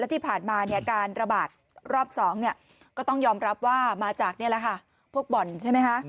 และที่ผ่านมาการระบาดรอบ๒ก็ต้องยอมรับว่ามาจากพวกบ่อนใช่ไหมคะ